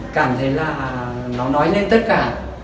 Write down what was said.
cảm thấy là nó nói lên tất cả